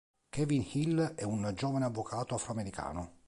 Kevin Hill è un giovane avvocato afroamericano.